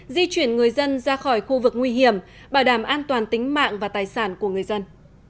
di chuyển người dân ra khỏi khu vực nguy hiểm bảo đảm an toàn tính mạng và tài sản của người dân